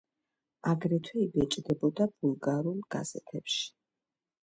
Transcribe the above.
აგრეთვე იბეჭდებოდა ბულგარულ გაზეთებში.